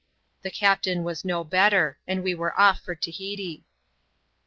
The captain was no better ; and we were off for Tahiti.